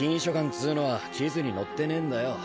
っつうのは地図に載ってねえんだよ